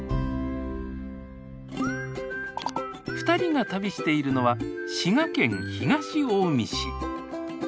２人が旅しているのは滋賀県東近江市。